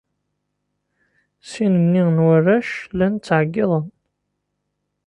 Sin-nni n warrac llan ttɛeyyiḍen.